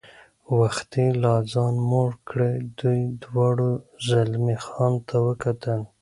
وختي لا ځان موړ کړی، دوی دواړو زلمی خان ته وکتل.